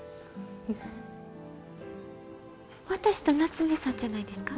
私と夏梅さんじゃないですか？